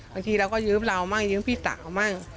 บางทีเราก็ยื้อเรามากยื้อพี่สาวมาก